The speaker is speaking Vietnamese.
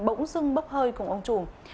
bỗng dưng bốc hơi cùng ông trùng